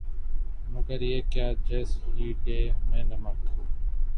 مگر یہ کیا جیس ہی ڈے میں نمک